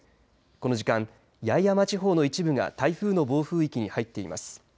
この時間、八重山地方の一部が台風の暴風域に入っています。